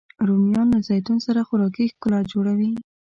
رومیان له زیتون سره خوراکي ښکلا جوړوي